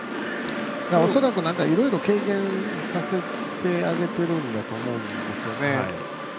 恐らくなんか、いろいろ経験させてあげてるんだと思うんですよね。